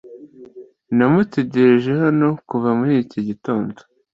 Namutegereje hano kuva muri iki gitondo.